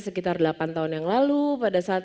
sekitar delapan tahun yang lalu pada saat